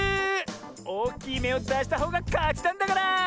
おおきいめをだしたほうがかちなんだから。